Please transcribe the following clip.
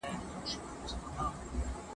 سافټویر انجنیري د ژوند اسانتیاوي زیاتوي.